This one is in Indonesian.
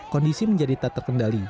kondisi menjadi tak terkendali